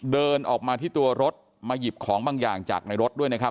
เดินออกมาที่ตัวรถมาหยิบของบางอย่างจากในรถด้วยนะครับ